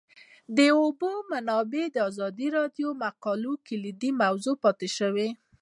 د اوبو منابع د ازادي راډیو د مقالو کلیدي موضوع پاتې شوی.